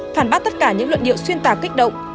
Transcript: phản bác tất cả những luận điệu xuyên tạc kích động